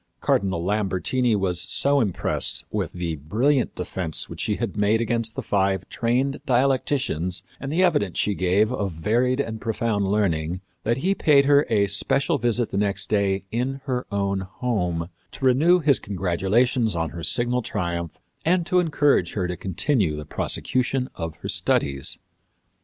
Cardinal Lambertini was so impressed with the brilliant defence which she had made against the five trained dialecticians and the evidence she gave of varied and profound learning that he paid her a special visit the next day in her own home to renew his congratulations on her signal triumph and to encourage her to continue the prosecution of her studies.